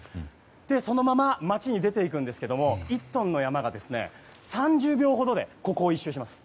そのまま街に出て行くんですけど１トンの山笠が３０秒ほどでここを１周します。